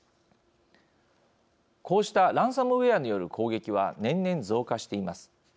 こうした、ランサムウェアによる攻撃は年々、増加しています。